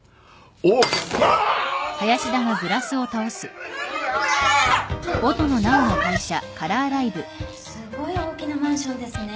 へえすごい大きなマンションですね。